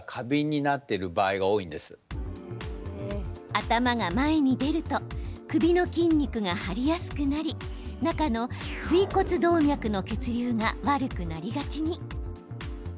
頭が前に出ると首の筋肉が張りやすくなり中の椎骨動脈の血流が悪くなりがちに。